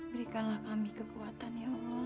berikanlah kami kekuatan ya allah